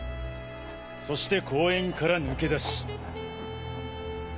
そして公園から抜け出し。